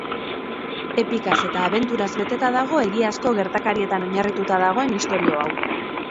Epikaz eta abenturaz beteta dago egiazko gertakarietan oinarrituta dagoen istorio hau.